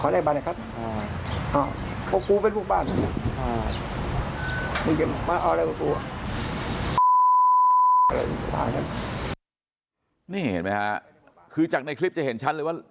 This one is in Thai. นี่เห็นไหมฮะคือจากในคลิปจะเห็นชัดเลยว่า